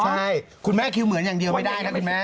ใช่คุณแม่คิวเหมือนอย่างเดียวไม่ได้นะคุณแม่